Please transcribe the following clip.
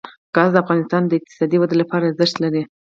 ګاز د افغانستان د اقتصادي ودې لپاره ارزښت لري.